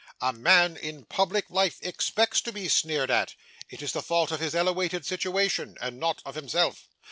A man in public life expects to be sneered at it is the fault of his elewated sitiwation, and not of himself.